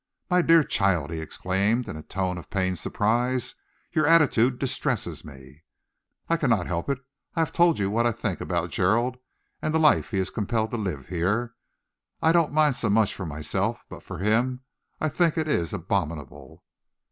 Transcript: "My dear child," he exclaimed, in a tone of pained surprise, "your attitude distresses me!" "I cannot help it. I have told you what I think about Gerald and the life he is compelled to live here. I don't mind so much for myself, but for him I think it is abominable."